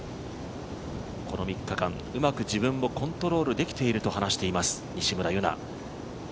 この３日間、うまく自分をコントロールできていると話します、西村優菜。